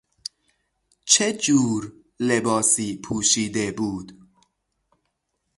چه جور لباسی پوشیده بود؟